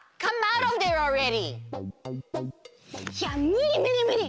いやムリムリムリ！